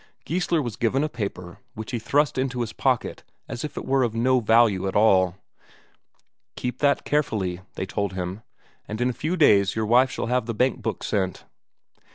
Geissler was given a paper, which he thrust into his pocket as if it were of no value at all. "Keep that carefully," they told him, "and in a few days your wife shall have the bankbook sent."